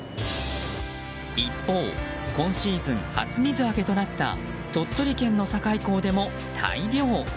一方、今シーズン初水揚げとなった鳥取県の堺港でも大漁。